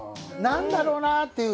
なんだろうなっていう。